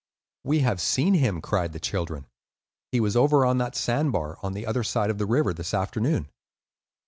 "We have seen him," cried the children. "He was over on that sand bar, on the other side of the river, this afternoon."